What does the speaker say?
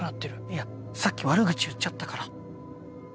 いやさっき悪口言っちゃったから。